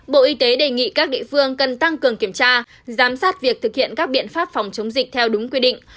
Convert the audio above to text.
bộ y tế đề nghị các địa phương cần tăng cường kiểm tra giám sát việc thực hiện các biện pháp phòng chống dịch theo đúng quy định